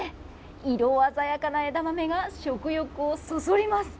色鮮やかな枝豆が食欲をそそります。